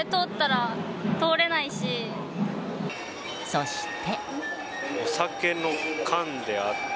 そして。